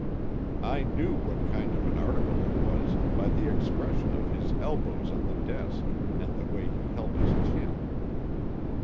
I knew what kind of an article it was, by the expression of his elbows on the desk, and the way he held his chin.